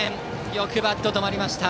よくバットが止まりました。